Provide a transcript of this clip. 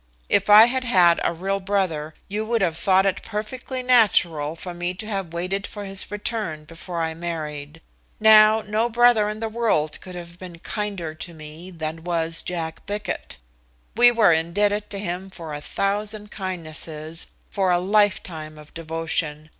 "If I had had a real brother, you would have thought it perfectly natural for me to have waited for his return before I married. Now, no brother in the world could have been kinder to me than was Jack Bickett. We were indebted to him for a thousand kindnesses, for a lifetime of devotion.